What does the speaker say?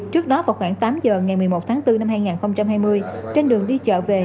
trước đó vào khoảng tám giờ ngày một mươi một tháng bốn năm hai nghìn hai mươi trên đường đi chợ về